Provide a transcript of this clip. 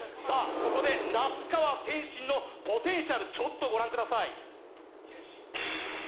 ここで那須川天心のポテンシャルをちょっと御覧ください。